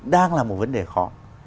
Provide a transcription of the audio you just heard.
đang là một vấn đề khó